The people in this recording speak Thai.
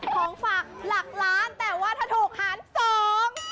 ของฝากหลักล้านแต่ว่าถ้าถูกหารสอง